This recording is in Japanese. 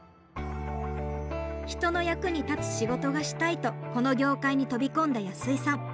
人の役に立つ仕事がしたいとこの業界に飛び込んだ安居さん。